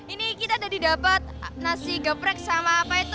ini kita tadi dapat nasi geprek sama apa itu